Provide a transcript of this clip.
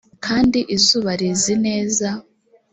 kandi izuba rizi neza